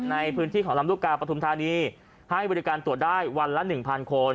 ในพื้นที่ของลำลูกกาปฐุมธานีให้บริการตรวจได้วันละ๑๐๐คน